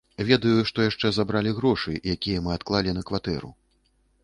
Ведаю, што яшчэ забралі грошы, якія мы адклалі на кватэру.